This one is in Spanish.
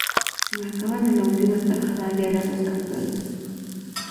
Si marcaban en la última atajada ya eran los campeones.